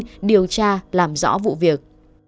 được điều tra làm rõ vụ việc